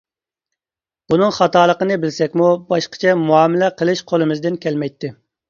بۇنىڭ خاتالىقىنى بىلسەكمۇ، باشقىچە مۇئامىلە قىلىش قولىمىزدىن كەلمەيتتى.